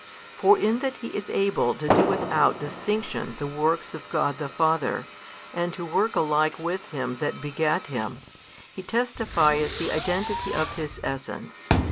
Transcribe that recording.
For in that He is able to do without distinction the works of God the Father and to work alike with Him That begat Him, He testifieth the identity of His Essence.